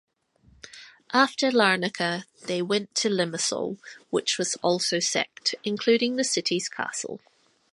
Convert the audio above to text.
After Larnaca, they went to Limassol, which was also sacked, including the city's castle.